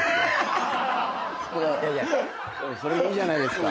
それもいいじゃないですか。